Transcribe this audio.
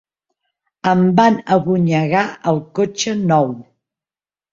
Em van abonyegar el cotxe nou.